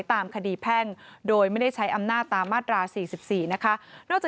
แต่ไม่ใช้อำนาจตามมาตรา๔๔